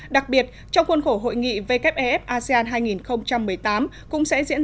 đặc biệt trong khuôn khổ hội nghị wef asean hai nghìn một mươi tám